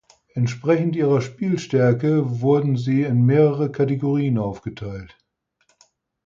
Entsprechend ihrer Spielstärke wurden sie in mehrere Kategorien aufgeteilt.